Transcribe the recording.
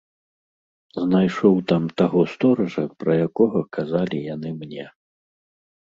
Знайшоў там таго стоража, пра якога казалі яны мне.